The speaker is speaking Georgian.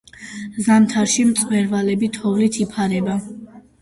ზამთარში მწვერვალები თოვლით იფარება.